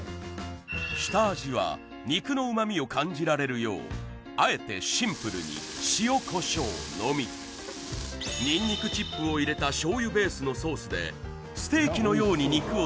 下味は肉の旨味を感じられるようあえてシンプルに塩コショウのみニンニクチップを入れた醤油ベースのソースで１品